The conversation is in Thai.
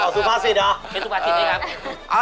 เป็นภาษิตนี่ครับ